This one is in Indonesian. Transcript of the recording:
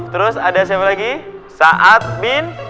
terus ada siapa lagi sa'ad bin